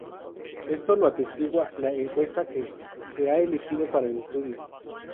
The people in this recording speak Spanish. Esto lo atestigua la encuesta que se ha elegido para el estudio.